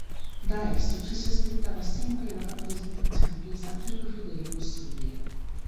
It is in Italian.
Da esso ci si aspettava sempre la rappresentazione più esatta e più fedele possibile.